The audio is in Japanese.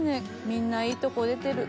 みんないいとこ出てる。